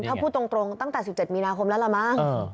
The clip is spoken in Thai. ถ้าพูดตรงตั้งแต่๑๗มีนาคมแล้วล่ะมั้ง